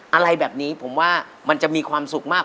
อะไรแบบนี้ผมว่ามันจะมีความสุขมาก